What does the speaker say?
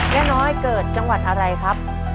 น้อยเกิดจังหวัดอะไรครับ